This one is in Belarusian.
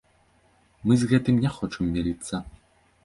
Мы з гэтым не хочам мірыцца.